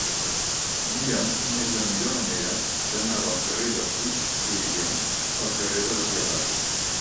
Mira'm quina és la millor manera d'anar del carrer de Puigxuriguer al carrer de la Pietat.